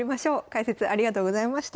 解説ありがとうございました。